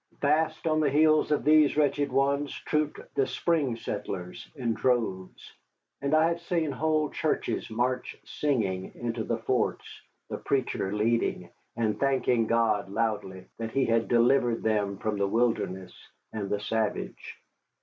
Fast on the heels of these wretched ones trooped the spring settlers in droves; and I have seen whole churches march singing into the forts, the preacher leading, and thanking God loudly that He had delivered them from the wilderness and the savage.